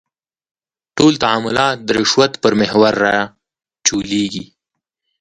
ټول تعاملات د رشوت پر محور راچولېږي.